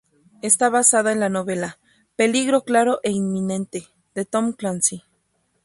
Está basada en la novela "Peligro claro e inminente", de Tom Clancy.